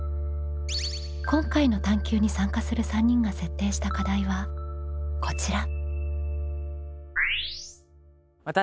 今回の探究に参加する３人が設定した課題はこちら。